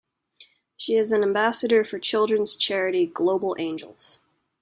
She is an ambassador for children's charity Global Angels.